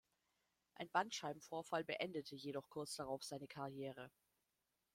Ein Bandscheibenvorfall beendete jedoch kurz darauf seine Karriere.